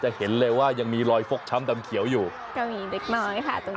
เห็นเลยว่ายังมีรอยฟกช้ำดำเขียวอยู่ก็มีเด็กน้อยค่ะตรงนี้